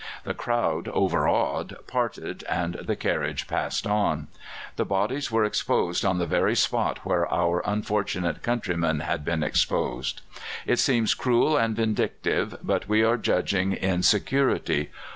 The crowd, overawed, parted, and the carriage passed on. The bodies were exposed on the very spot where our unfortunate countrymen had been exposed. It seems cruel and vindictive, but we are judging in security.